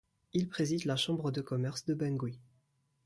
Il préside la chambre de commerce de Bangui.